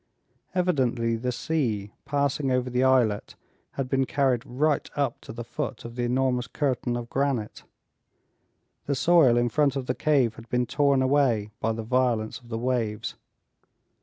Evidently the sea, passing over the islet, had been carried right up to the foot of the enormous curtain of granite. The soil in front of the cave had been torn away by the violence of the waves.